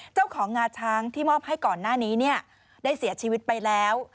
งาช้างที่มอบให้ก่อนหน้านี้ได้เสียชีวิตไปแล้ว